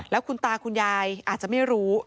แล้วคุณตาคุณยายอาจจะไม่รู้